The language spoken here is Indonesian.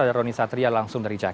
ada roni satria langsung dari jakarta